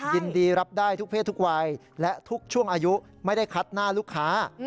ยินดีรับได้ทุกเพศทุกวัยและทุกช่วงอายุไม่ได้คัดหน้าลูกค้า